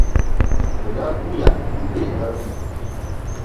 O daa guuya nti be lariga ni.